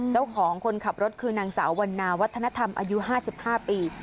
เจ้าของคนขับรถคือนางสาววันนาวัฒนธรรมอายุ๕๕ปี